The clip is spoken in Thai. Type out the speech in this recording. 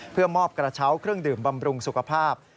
เพื่อมอบกระเช้าเครื่องดื่มบำรุงสุขภาพ